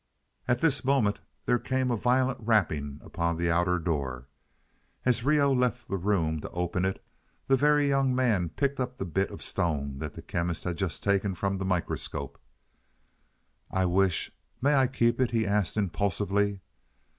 At this moment there came a violent rapping upon the outer door. As Reoh left the room to open it, the Very Young Man picked up the bit of stone that the Chemist had just taken from the microscope. "I wish may I keep it?" he asked impulsively.